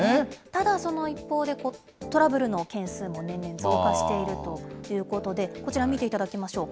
ただ、その一方で、トラブルの件数も年々増加しているということで、こちら見ていただきましょう。